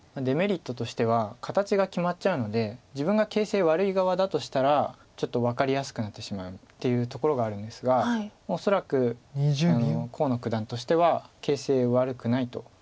デメリットとしては形が決まっちゃうので自分が形勢悪い側だとしたらちょっと分かりやすくなってしまうっていうところがあるんですが恐らく河野九段としては形勢悪くないと。